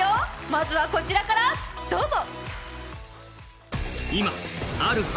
まずはこちらから、どうぞ。